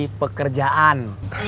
oh boleh cuk